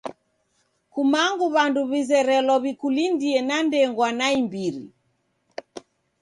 Kumangu w'andu w'izerelo w'ikulindie na ndengwa naimbiri.